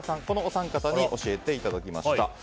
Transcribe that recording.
このお三方に教えていただきました。